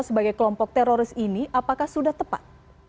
sebagai kelompok teroris ini apakah sudah tepat